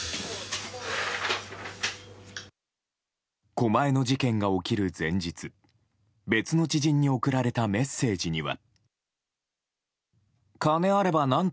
狛江の事件が起きる前日別の知人に送られたメッセージには。